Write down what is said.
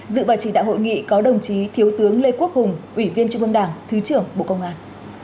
dự và chỉ đạo hội nghị có đồng chí thiếu tướng lê quốc hùng ủy viên trung ương đảng thứ trưởng bộ công an